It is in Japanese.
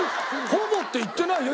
「ほぼ」って言ってないよ